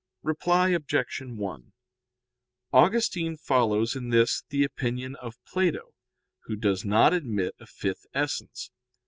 Reply Obj. 1: Augustine follows in this the opinion of Plato, who does not admit a fifth essence.